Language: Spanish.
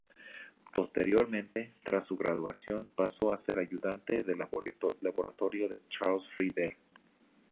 Posteriormente, tras su graduación pasó a ser ayudante de laboratorio de Charles Friedel.